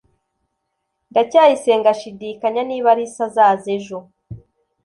ndacyayisenga ashidikanya niba alice azaza ejo